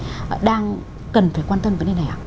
các nhà bảo tồn di tích đang cần phải quan tâm đến thế này không